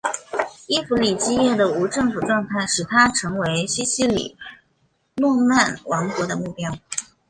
伊弗里基叶的无政府状态使它成为西西里诺曼王国的目标。